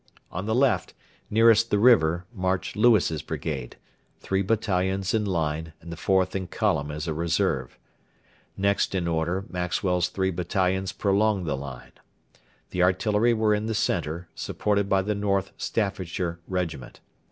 On the left, nearest the river, marched Lewis's brigade three battalions in line and the fourth in column as a reserve. Next in order Maxwell's three battalions prolonged the line. The artillery were in the centre, supported by the North Staffordshire Regiment.